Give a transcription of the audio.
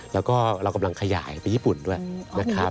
แล้วก็เรากำลังขยายไปญี่ปุ่นด้วยนะครับ